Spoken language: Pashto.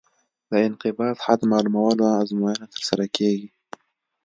د انقباض حد معلومولو ازموینه ترسره کیږي